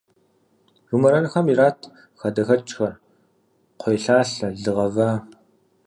Жумэрэнхэм ират хадэхэкӏхэр, кхъуейлъалъэ, лы гъэва.